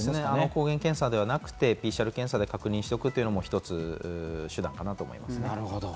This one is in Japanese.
抗原検査ではなくＰＣＲ検査で検査しておくのも手段の一つかなと思います。